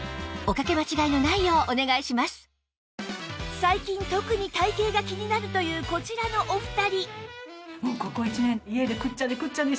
最近特に体形が気になるというこちらのお二人